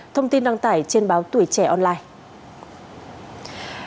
thông tin đăng tải trên báo tuổi trẻ online